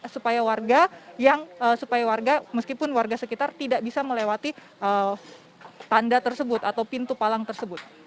supaya warga meskipun warga sekitar tidak bisa melewati tanda tersebut atau pintu palang tersebut